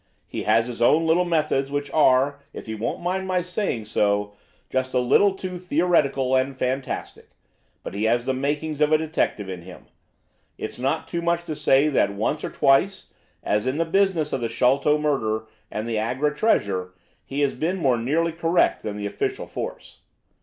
"He has his own little methods, which are, if he won't mind my saying so, just a little too theoretical and fantastic, but he has the makings of a detective in him. It is not too much to say that once or twice, as in that business of the Sholto murder and the Agra treasure, he has been more nearly correct than the official force."